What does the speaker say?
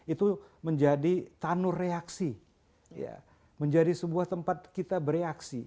itu menjadi tanur reaksi menjadi sebuah tempat kita bereaksi